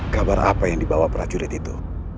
kabar apa yang dibawa para jurid itu